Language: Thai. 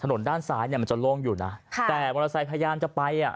ด้านซ้ายเนี่ยมันจะโล่งอยู่นะค่ะแต่มอเตอร์ไซค์พยายามจะไปอ่ะ